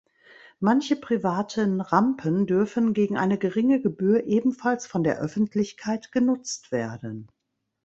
Manche privaten Rampen dürfen gegen eine geringe Gebühr ebenfalls von der Öffentlichkeit genutzt werden.